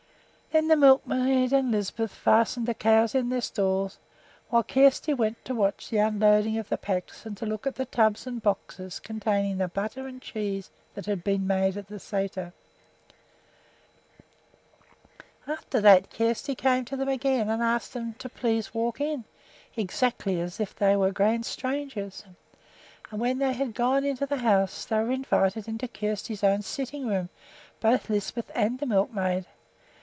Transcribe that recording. Then the milkmaid and Lisbeth fastened the cows in their stalls, while Kjersti went to watch the unloading of the packs and to look at the tubs and boxes containing the butter and cheese that had been made at the sæter. After that Kjersti came to them again and asked them to "Please walk in," exactly as if they were grand strangers. And when they had gone into the house they were invited into Kjersti's own sitting room, both Lisbeth and the milkmaid.